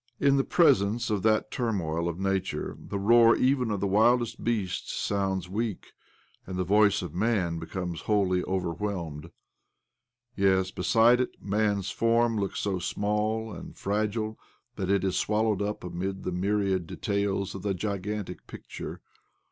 In the presence of that turmoil of nature the roar. even of the wildest beast sounds weak, and the voice of man becomes wholly overwhelmed. Yes, beside it man's form looks so small and fragile that it is swallowed up amid the myriad details of the gigantic picture.